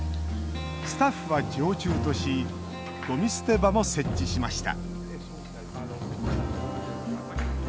スタッフは常駐としゴミ捨て場も設置しました